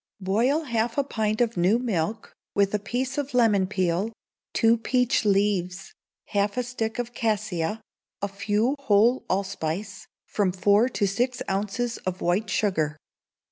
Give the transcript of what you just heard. Boil half a pint of new milk, with a piece of lemon peel, two peach leaves, half a stick of cassia, a few whole allspice, from four to six ounces of white sugar.